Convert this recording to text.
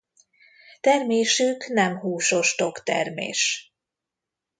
Termésük nem húsos toktermés.